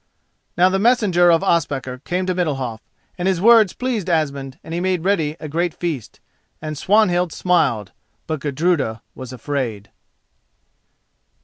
Now the messenger of Ospakar came to Middalhof, and his words pleased Asmund and he made ready a great feast. And Swanhild smiled, but Gudruda was afraid.